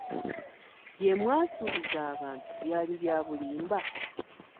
Bye mwasuubiza abantu byali bya bulimba?